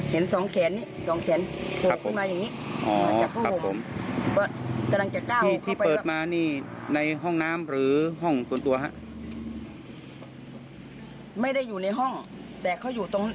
ก็เลยตกใจแล้วก็พากันวิ่งออกมาสองคน